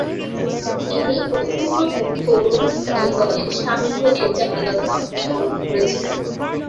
তিনি প্রথম প্রথম তরুণ ইতালি দলে সামিল হয়ে জাতীয়তাবাদকে গ্রহণ করেছিলেন।